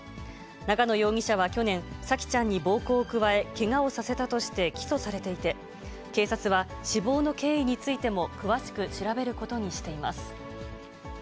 長野容疑者は去年、沙季ちゃんに暴行を加え、けがをさせたとして起訴されていて、警察は、死亡の経緯についても詳しく調べることにしています。